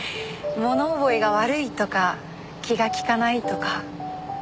物覚えが悪いとか気が利かないとか。